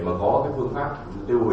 nếu có thì có phương pháp tiêu hủy